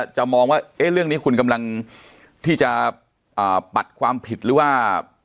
จะมองว่าเรื่องนี้คุณกำลังที่จะปัดความผิดหรือว่า